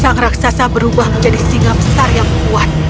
sang raksasa berubah menjadi singa besar yang kuat